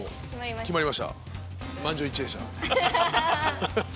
決まりました。